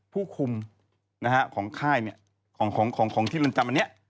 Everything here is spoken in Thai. ผู้คุมของที่มันจำอันนี้